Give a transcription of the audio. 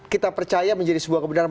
kita percaya menjadi sebuah kebenaran